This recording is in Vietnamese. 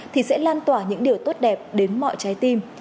thì sẽ lan tỏa những điều tốt đẹp đến mọi trái tim